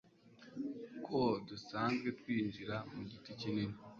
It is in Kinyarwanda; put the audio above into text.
ko dusanzwe twinjira mu giti kinini